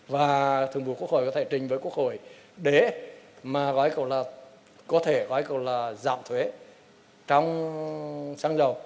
và thượng vụ quốc hội có thể trình với quốc hội để mà gọi gọi là có thể gọi gọi là giảm thuế trong xăng dầu